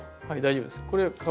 はい大丈夫ですよ。